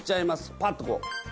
パッとこう。